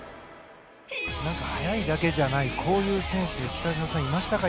速いだけじゃないこういう選手は北島さん、いましたか？